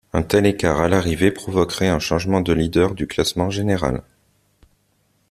Un tel écart à l'arrivée provoquerait un changement de leader du classement général.